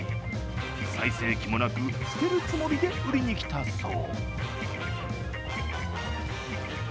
再生機もなく、捨てるつもりで売りに来たそう。